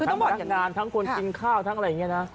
พนักงานทั้งคนกินข้าวทั้งอะไรอย่างนี้นะ